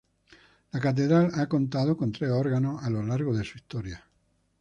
La Catedral ha contado con tres órganos a lo largo de su historia.